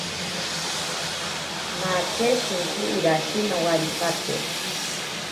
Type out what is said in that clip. Nache shinki irashi nowaripate.